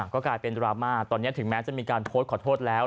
ก็กลายเป็นดราม่าตอนนี้ถึงแม้จะมีการโพสต์ขอโทษแล้ว